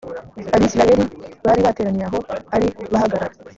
abisirayeli bari bateraniye aho ari bahagarara